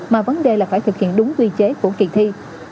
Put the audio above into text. mà vấn đề là phải thực hiện đúng quy chế của kỳ thi